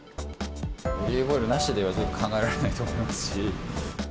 オリーブオイルなしではちょっと考えられないと思いますし。